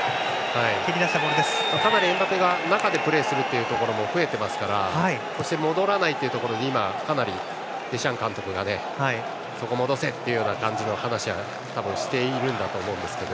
かなりエムバペが中でプレーするところも増えていますからそして戻らないということで今、かなりデシャン監督がそこ、戻せという感じの話しをしているところだと思うんですけど。